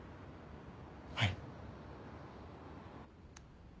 はい。